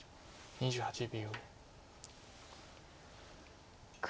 ２８秒。